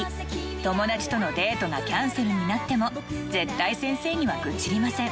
友達とのデートがキャンセルになっても、絶対、先生には愚痴りません。